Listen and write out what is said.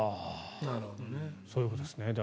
そういうことですね。